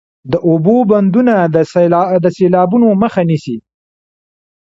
د اوبو بندونه د سیلابونو مخه نیسي